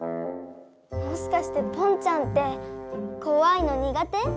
もしかしてぽんちゃんってこわいのにがて？